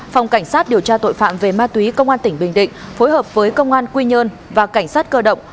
phòng cảnh sát điều tra tội phạm về ma túy công an tỉnh bình định phối hợp với công an quy nhơn và cảnh sát cơ động